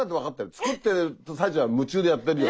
作ってる最中は夢中でやってるよ。